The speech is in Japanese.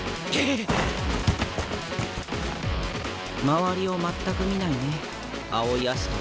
周りを全く見ないね青井葦人。